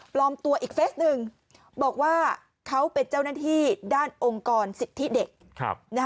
ตัวอีกเฟสหนึ่งบอกว่าเขาเป็นเจ้าหน้าที่ด้านองค์กรสิทธิเด็ก